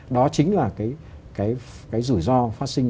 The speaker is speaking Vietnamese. đó chính là cái rủi ro phát sinh